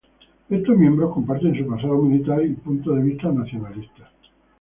Estos miembros comparten su pasado militar y puntos de vista nacionalistas.